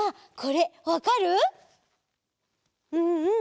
うんうん。